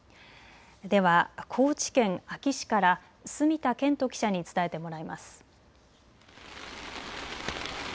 では高知県安芸市から澄田謙人記者に伝えてもらいます。